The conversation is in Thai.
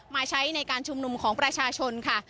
ใช้ในการชุมนุมของประชาชนค่ะ